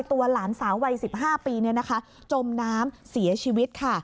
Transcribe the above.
หลานสาววัย๑๕ปีจมน้ำเสียชีวิตค่ะ